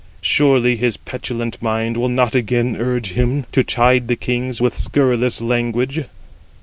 Surely his petulant mind will not again urge him to chide the kings with scurrilous language."